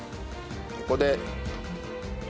ここで。